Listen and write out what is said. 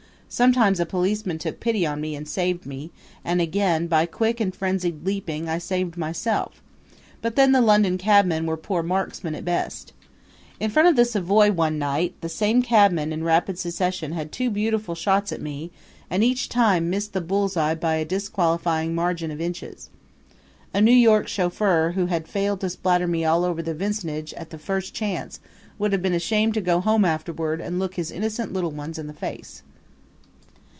Sometimes a policeman took pity on me and saved me, and again, by quick and frenzied leaping, I saved myself; but then the London cabmen were poor marksmen at best. In front of the Savoy one night the same cabman in rapid succession had two beautiful shots at me and each time missed the bull's eye by a disqualifying margin of inches. A New York chauffeur who had failed to splatter me all over the vicinage at the first chance would have been ashamed to go home afterward and look his innocent little ones in the face.